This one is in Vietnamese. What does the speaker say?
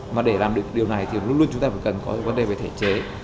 mà để làm được điều này thì luôn luôn chúng ta phải cần có vấn đề về thể chế